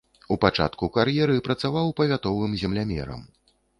У пачатку кар'еры працаваў павятовым землямерам.